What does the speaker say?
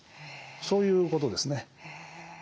そういうことですね。